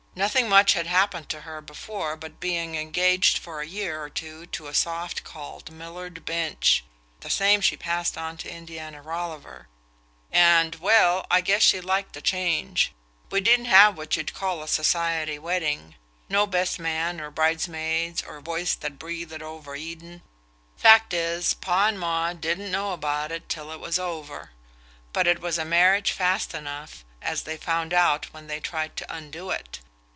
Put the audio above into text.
Nothing much had happened to her before but being engaged for a year or two to a soft called Millard Binch; the same she passed on to Indiana Rolliver; and well, I guess she liked the change. We didn't have what you'd called a society wedding: no best man or bridesmaids or Voice that Breathed o'er Eden. Fact is, Pa and Ma didn't know about it till it was over. But it was a marriage fast enough, as they found out when they tried to undo it.